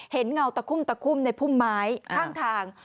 เห็นเงาตะคุ่มในพุ่มไม้ข้างทาง